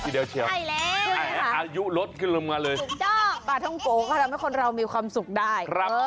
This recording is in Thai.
สุดยอดปลาท่องโกก็ทำให้คนเรามีความสุขได้